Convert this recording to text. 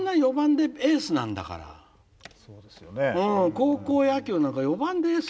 高校野球なんか４番でエース